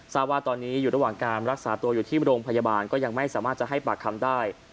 ทราบว่าตอนนี้อยู่ระหว่างการรักษาตัวอยู่ที่โรงพยาบาลก็ยังไม่สามารถจะให้ปากคำได้